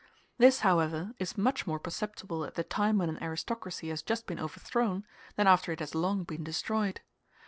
This, however, is much more perceptible at the time when an aristocracy has just been overthrown than after it has long been destroyed.